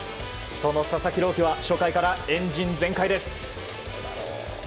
その佐々木朗希は初回からエンジン全開です。